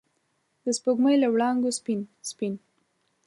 د سپوږمۍ له وړانګو سپین، سپین